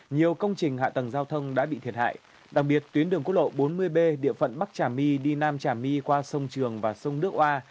nhiều công trình hạ tầng giao thông đã bị thiệt hại đặc biệt tuyến đường quốc lộ bốn mươi b địa phận bắc trà my đi nam trà my qua sông trường và sông nước oa